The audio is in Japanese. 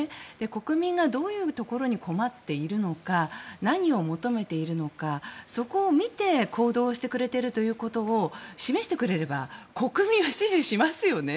国民がどういうところに困っているのか何を求めているのか、そこを見て行動してくれているということを示してくれれば国民は支持しますよね。